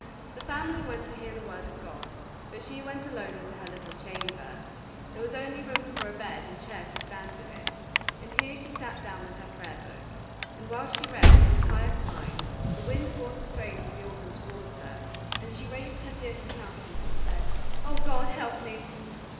The family went to hear the word of God; but she went alone into her little chamber; there was only room for a bed and chair to stand in it; and here she sat down with her Prayer Book; and whilst she read with a pious mind, the wind bore the strains of the organ towards her, and she raised her tearful countenance, and said, "O God, help me!"